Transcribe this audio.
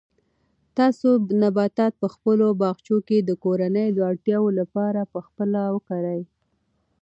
تاسو نباتات په خپلو باغچو کې د کورنۍ د اړتیا لپاره په خپله وکرئ.